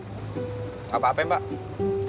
gak apa apa pak